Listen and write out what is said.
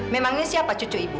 memangnya siapa cucu ibu